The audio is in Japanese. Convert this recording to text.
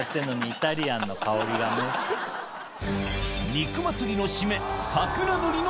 肉祭りの締め